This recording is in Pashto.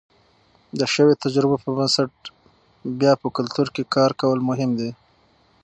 د شویو تجربو پر بنسټ بیا په کلتور کې کار کول مهم دي.